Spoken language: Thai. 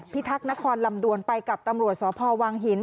ทักษ์นครลำดวนไปกับตำรวจสพวังหิน